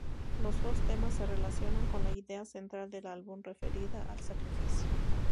Los dos temas se relacionan con la idea central del álbum, referida al sacrificio.